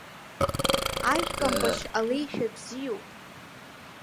Ажәкамбашь алеишәа бзиоуп.